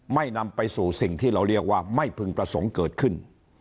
นำไปสู่สิ่งที่เราเรียกว่าไม่พึงประสงค์เกิดขึ้น